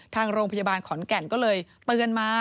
ทางโรงพยาบาลขอนแก่นก็เลยเตือนมา